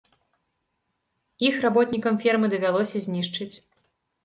Іх работнікам фермы давялося знішчыць.